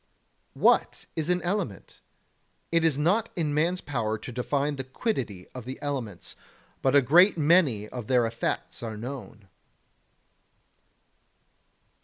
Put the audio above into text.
42. What is an element? It is not in man's power to define the quiddity of the elements, but a great many of their effects are known.